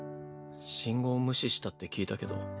信号無視したって聞いたけど。